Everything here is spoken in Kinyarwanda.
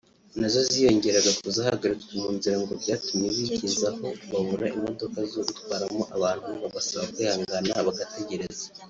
nazo ziyongeraga ku zahagaritswe mu nzira ngo byatumye bigezaho babura imodoka zo gutwaramo abantu babasaba kwihangana bagategereza